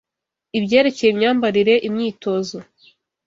ibyerekeye imyambarire, imyitozo